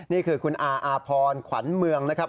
นี่คือคุณอาอาพรขวัญเมืองนะครับ